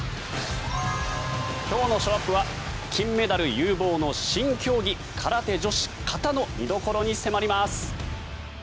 今日のショーアップは金メダル有望の新競技空手女子形の見どころに迫ります。